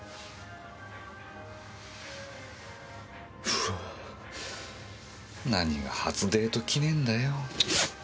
うわぁ何が初デート記念だよ。